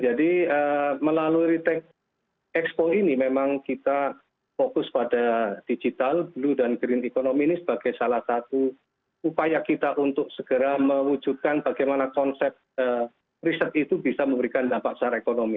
jadi melalui riteh expo ini memang kita fokus pada digital blue dan green economy ini sebagai salah satu upaya kita untuk segera mewujudkan bagaimana konsep riset itu bisa memberikan dampak secara ekonomi